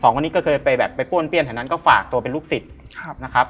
คนนี้ก็เคยไปแบบไปป้วนเปี้ยนแถวนั้นก็ฝากตัวเป็นลูกศิษย์นะครับ